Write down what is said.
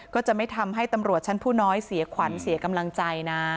ก็จะไม่ทำให้ตำรวจชั้นผู้น้อยเสียขวัญเสียกำลังใจนะ